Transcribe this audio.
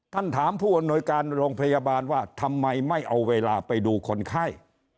ถามผู้อำนวยการโรงพยาบาลว่าทำไมไม่เอาเวลาไปดูคนไข้